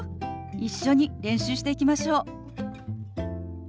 一緒に練習していきましょう。